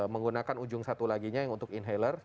menggunakan ujung satu laginya yang untuk inhailer